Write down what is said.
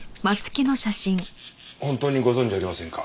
本当にご存じありませんか？